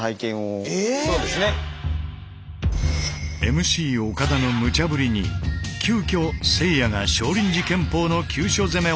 ＭＣ岡田のむちゃぶりに急きょせいやが少林寺拳法の急所攻めを体感。